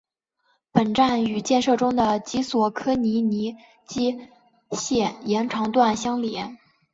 本站与建设中的及索科利尼基线延长段相连。